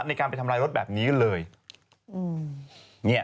ในการไปทำลายรถแบบนี้เลย